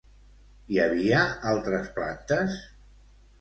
Hi havia altres plantes?